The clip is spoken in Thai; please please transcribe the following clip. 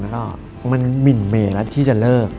แล้วก็มันหมิ่นเมละที่จะเลิก